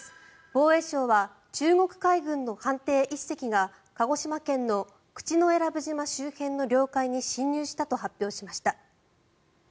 防衛省は中国海軍の艦艇１隻が鹿児島県の口永良部島周辺の領海に侵入したと発表しました。